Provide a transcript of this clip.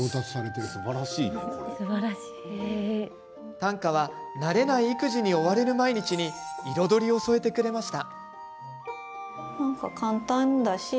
短歌は慣れない育児に追われる毎日に彩りを添えてくれました。